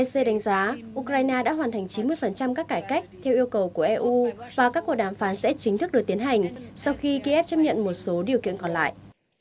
ec đánh giá ukraine đã hoàn thành chín mươi các cải cách theo yêu cầu của eu và các cuộc đàm phán sẽ chính thức được tiến hành sau khi kiev chấp nhận một số điều kiện còn lại